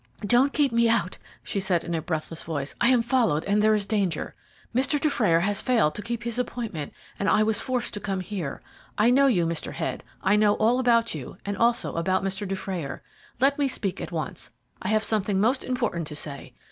"Don't keep me out," she said, in a breathless voice; "I am followed, and there is danger. Mr. Dufrayer has failed to keep his appointment, and I was forced to come here. I know you, Mr. Head. I know all about you, and also about Mr. Dufrayer. Let me speak at once. I have something most important to say.